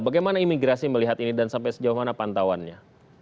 bagaimana imigrasi melihat ini dan sampai sejauh mana pantauannya